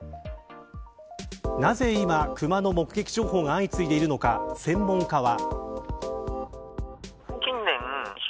なぜ今、クマの目撃情報が相次いでいるのか専門家は。